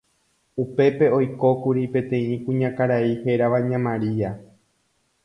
Upépe oikókuri peteĩ kuñakarai hérava ña María.